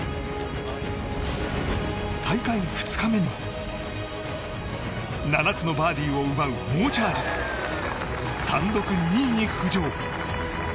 大会２日目には７つのバーディーを奪う猛チャージで単独２位に浮上。